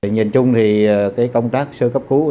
nhìn chung thì công tác sơ cấp cứu